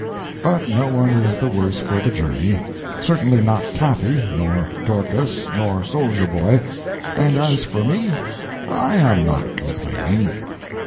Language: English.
But no one is the worse for the journey; certainly not Cathy, nor Dorcas, nor Soldier Boy; and as for me, I am not complaining.